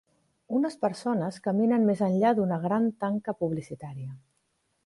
Unes persones caminen més enllà d'una gran tanca publicitària.